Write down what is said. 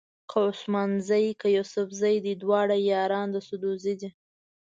که عثمان زي که یوسفزي دي دواړه یاران د سدوزي دي.